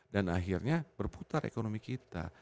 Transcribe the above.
dan akhirnya berputar ekonomi kita